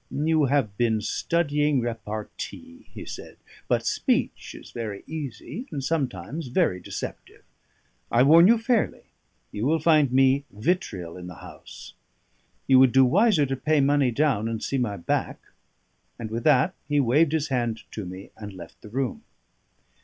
"You have been studying repartee," he said. "But speech is very easy, and sometimes very deceptive. I warn you fairly: you will find me vitriol in the house. You would do wiser to pay money down and see my back." And with that he waved his hand to me and left the room.